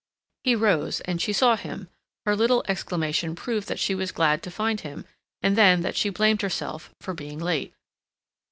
He rose, and she saw him; her little exclamation proved that she was glad to find him, and then that she blamed herself for being late.